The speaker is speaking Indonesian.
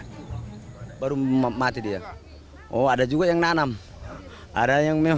kematian ratusan ternak babi dilaporkan terjadi di kecamatan seibamban dan dolok masihul